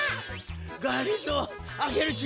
がりぞーアゲルちゃん。